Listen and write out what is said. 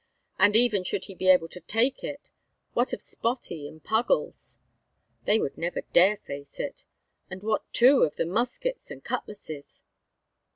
And even should he be able to take it, what of Spottie and Puggles? They would never dare face it. And what, too, of the muskets and cutlasses?